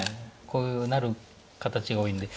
こうなる形が多いんで。